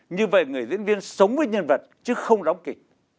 như vậy người diễn viên sống với nhân vật chứ không đóng kịch